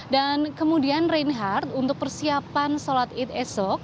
dan kemudian reinhard untuk persiapan sholat id esok